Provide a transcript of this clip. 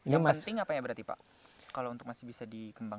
yang penting apa ya berarti pak kalau untuk masih bisa dikembangkan